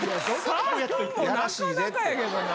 ３もなかなかやけどな。